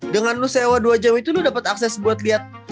dengan lu sewa dua jam itu lu dapet akses buat liat